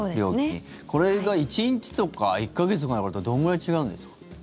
これが１日とか１か月とかになるとどのぐらい違うんですか？